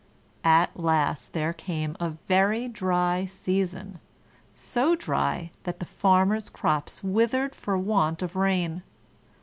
At last there came a very dry season so dry that the Farmer's crops withered for want of rain.